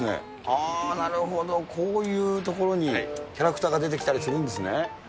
あー、なるほど、こういう所にキャラクターが出てきたりするんですね。